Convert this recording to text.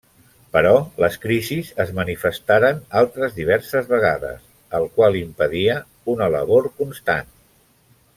Però les crisis es manifestaren altres diverses vegades, el qual impedia una labor constant.